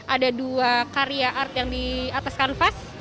ada dua karya art yang di atas kanvas